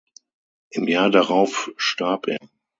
Im Jahr darauf starb er.